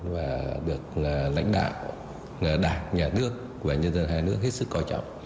và được lãnh đạo đảng nhà nước và nhân dân hai nước hết sức coi trọng